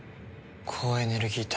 高エネルギー体。